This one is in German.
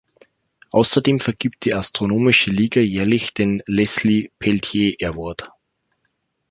Außerdem vergibt die Astronomische Liga jährlich den Leslie Peltier Award.